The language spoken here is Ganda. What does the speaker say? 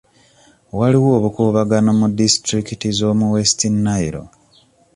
Waliwo obukuubagano mu disitulikiti z'omu West Nile